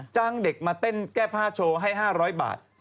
จ้างเด็กมาเต้นแก้ผ้าโชว์ให้๕๐๐บาท